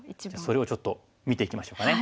それをちょっと見ていきましょうかね。